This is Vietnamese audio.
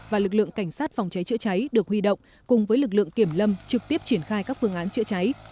và lực lượng cảnh sát phòng cháy chữa cháy được huy động cùng với lực lượng kiểm lâm trực tiếp triển khai các phương án chữa cháy